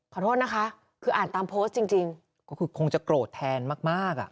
ขอโทษนะคะคืออ่านตามโพสต์จริงก็คือคงจะโกรธแทนมากอ่ะ